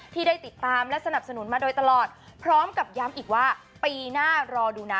ที่ได้ติดตามและสนับสนุนมาโดยตลอดพร้อมกับย้ำอีกว่าปีหน้ารอดูนะ